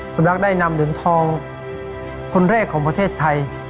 สมรักษ์ได้นำเหลืองทองคนแรกของประเทศไทย